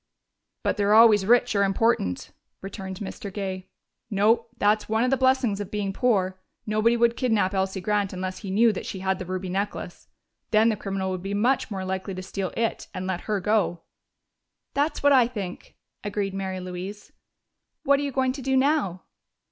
"But they're always rich or important," returned Mr. Gay. "No: that's one of the blessings of being poor nobody would kidnap Elsie Grant unless he knew that she had the ruby necklace. Then the criminal would be much more likely to steal it and let her go." "That's what I think," agreed Mary Louise.... "What are you going to do now?"